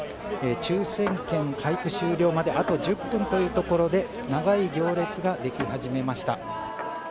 抽せん券配布終了まであと１０分というところで、長い行列が出来始めました。